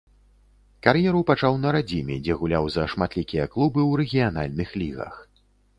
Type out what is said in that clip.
Кар'еру пачаў на радзіме, дзе гуляў за шматлікія клубы ў рэгіянальных лігах.